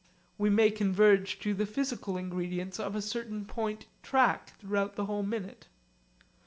We may converge to the physical ingredients of a certain point track throughout the whole minute.